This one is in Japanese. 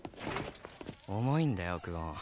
重いんだよ久遠。